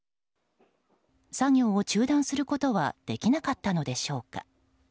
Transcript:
作業を中断することはできなかったのでしょうか。